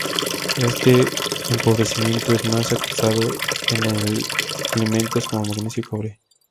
Este empobrecimiento es más acusado en elementos como magnesio y cobre.